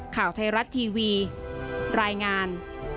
ข่าวไทยรัฐทีวีรายงาน